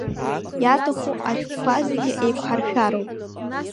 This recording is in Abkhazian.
Иаҭаху ашәҟәқәа зегьы еиқәҳаршәароуп.